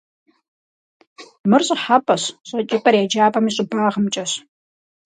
Мыр щӏыхьэпӏэщ, щӏэкӏыпӏэр еджапӏэм и щӏыбагъымкӏэщ.